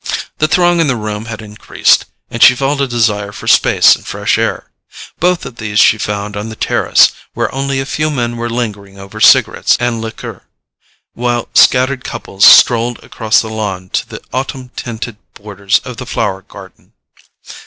The throng in the room had increased, and she felt a desire for space and fresh air. Both of these she found on the terrace, where only a few men were lingering over cigarettes and liqueur, while scattered couples strolled across the lawn to the autumn tinted borders of the flower garden.